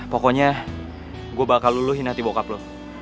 pokoknya gue bakal luluhin nanti bokap lo